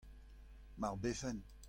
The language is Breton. Mar befen.